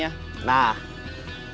masa kalian nggak mau balas dendam